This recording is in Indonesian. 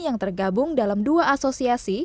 yang tergabung dalam dua asosiasi